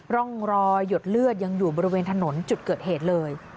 ร่องรอยหยดเลือดยังอยู่บริเวณถนนจุดเกิดเหตุเลย